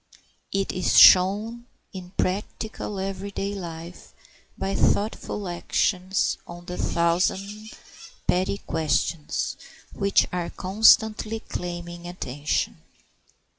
It is shown in practical every day life by thoughtful actions on the thousand petty questions which are constantly claiming attention.